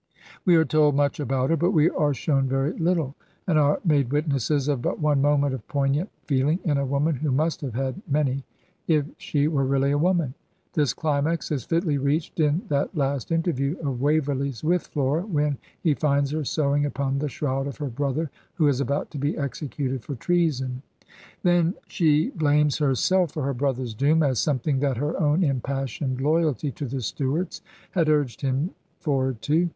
We are told much about her, but we are shown very lit tle; and are made witnesses of but one moment of poig nant feeling in a woman who must have had many, if she were really a woman. This cKmax is fitly reached in that last interview of Waverley's with Flora when he finds her sewing upon the shroud of her brother who is about to be executed for treason. Then she blames herself for her brother's doom as something that her own impassioned loyalty to the Stuarts had urged him forward to.